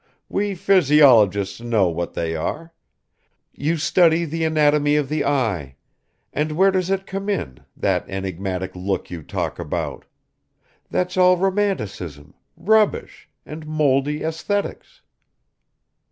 We physiologists know what they are. You study the anatomy of the eye; and where does it come in, that enigmatic look you talk about? That's all romanticism, rubbish, and moldy æsthetics.